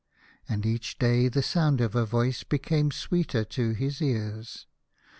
And each day the sound of her voice became sweeter to his ears.